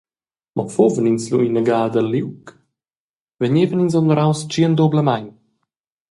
Mo fuvan ins lu ina gada a liug, vegnevan ins honoraus tschiendublamein.